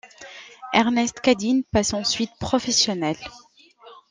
Ernest Cadine passe ensuite professionnel.